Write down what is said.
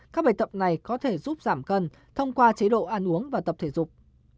các bài tập này có thể giúp giảm cân thông qua chế độ ăn uống và tập thể dục